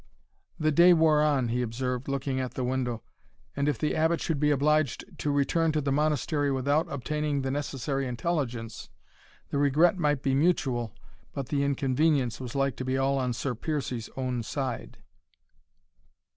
"The day wore on," he observed, looking at the window; "and if the Abbot should be obliged to return to the Monastery without obtaining the necessary intelligence, the regret might be mutual, but the inconvenience was like to be all on Sir Piercie's own side."